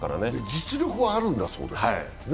実力はあるんだそうです。